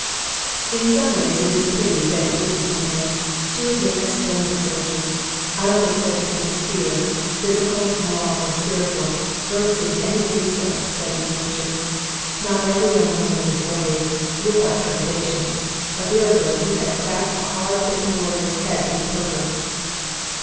In some ways it is a pity Betty isn't a man. She would make a splendid soldier. I don't think such a thing as fear, physical, moral, or spiritual, lurks in any recess of Betty's nature. Not every young woman would brave, without trepidation, a virago who had cracked a hard bitten warrior's head with a poker.